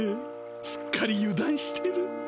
すっかり油だんしてる。